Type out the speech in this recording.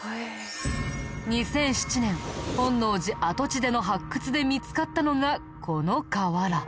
２００７年本能寺跡地での発掘で見つかったのがこの瓦。